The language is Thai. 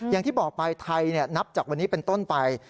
อย่างที่บอกไปไทยนับจากวันนี้เป็นต้นไป